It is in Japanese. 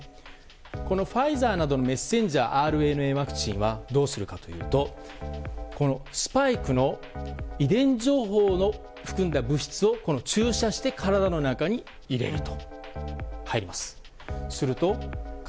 このファイザーなどのメッセンジャーＲＮＡワクチンはどうするかというとスパイクの遺伝情報を含んだ物質を注射して体の中に入れると。